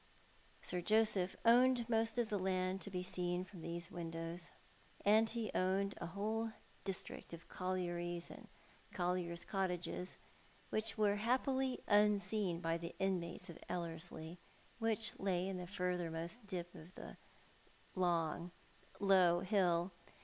Sir Joseph owned most of the land to be seen from those windows, and he owned a whole district of collieries and colliers' cottages, which were happily unseen by the inmates of Ellerslie, and which lay in the furthermost dip of the long, low hill.